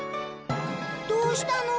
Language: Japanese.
どうしたの？